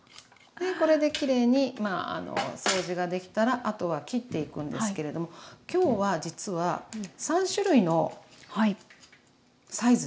これできれいにまあ掃除ができたらあとは切っていくんですけれども今日は実は３種類のサイズに。